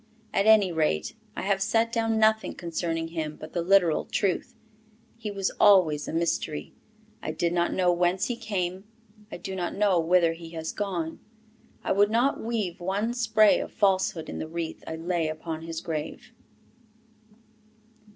At any rate, I have set down nothing concerning him but the literal truth. He was always a mystery. I did not know whence he came; I do not know whither he has gone. I would not weave one spray of falsehood in the wreath I lay upon his grave.